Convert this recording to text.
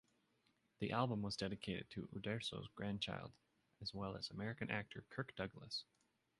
The album was dedicated to Uderzo's grandchild, as well as American actor Kirk Douglas.